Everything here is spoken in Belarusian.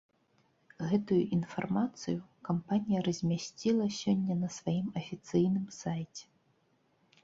Гэтую інфармацыю кампанія размясціла сёння на сваім афіцыйным сайце.